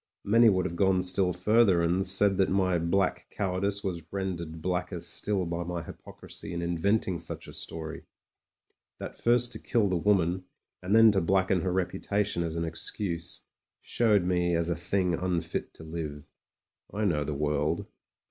Many would have gone still further, and said that my black cow ardice was rendered blacker still by my hypocrisy in inventing such a story; that first to kill the woman, and then to blacken her reputation as an excuse, showed me as a thing unfit to live. I know the world.